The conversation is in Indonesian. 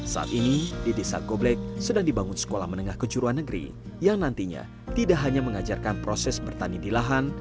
saat ini di desa gobleg sedang dibangun sekolah menengah kejuruan negeri yang nantinya tidak hanya mengajarkan proses bertanian di lahan